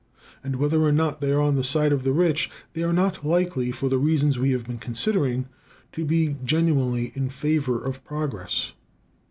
And whether or not they are on the side of the rich, they are not likely, for the reasons we have been considering, to be genuinely in favor of progress.